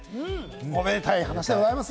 おめでたい話でございます。